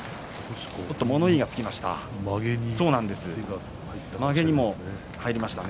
物言いがつきました。